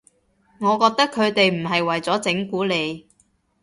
我覺得佢哋唔係為咗整蠱你